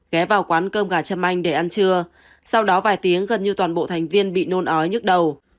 ghé vào quán cơm gà châm anh để ăn trưa sau đó vài tiếng gần như toàn bộ thành viên bị nôn ói nhức đầu